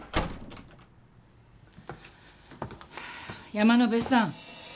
山野辺さん